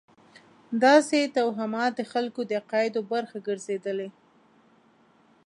داسې توهمات د خلکو د عقایدو برخه ګرځېدلې.